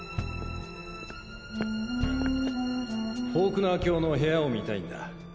フォークナー卿の部屋を見たいんだ。